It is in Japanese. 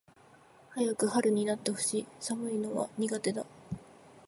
早く春になって欲しい。寒いのは苦手だ。